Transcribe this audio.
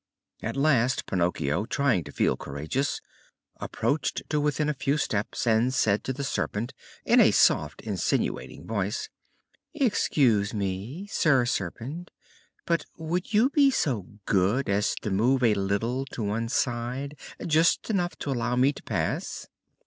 At last Pinocchio, trying to feel courageous, approached to within a few steps, and said to the Serpent in a little soft, insinuating voice: "Excuse me. Sir Serpent, but would you be so good as to move a little to one side just enough to allow me to pass?"